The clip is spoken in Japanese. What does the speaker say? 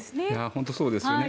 本当にそうですよね。